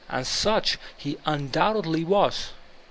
And such he undoubtedly was.